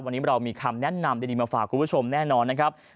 วันนี้เรามีคำแนะนำดีมาฝากคุณผู้ชมแน่นอนนะครับ